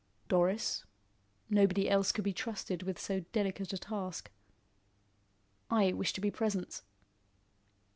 "Doris. Nobody else could be trusted with so delicate a task." "I wish to be present."